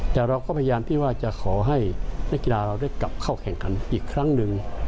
แต่เราก็พยายามที่ว่าจะขอให้นักกีฬาเราได้กลับเข้าแข่งขันอีกครั้งหนึ่ง